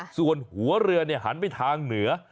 ส่วนหัวเรือหันไปทางเหนือ